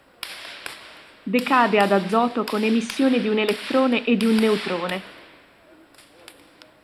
Decade ad azoto con emissione di un elettrone e di un neutrone.